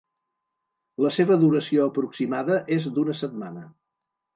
La seva duració aproximada és d"una setmana.